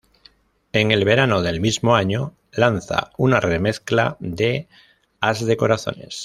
En el verano del mismo año lanza una remezcla de "As de corazones".